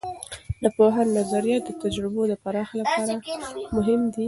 د پوهاند نظریات د تجربو د پراختیا لپاره مهم دي.